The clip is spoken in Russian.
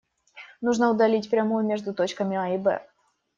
Нужно удалить прямую между точками А и Б.